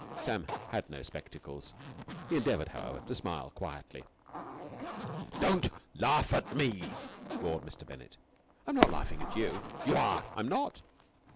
Sam had no spectacles. He endeavoured, however, to smile quietly. "Don't laugh at me!" roared Mr. Bennett. "I'm not laughing at you." "You are!" "I'm not!"